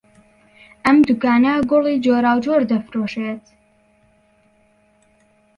ئەم دوکانە گوڵی جۆراوجۆر دەفرۆشێت.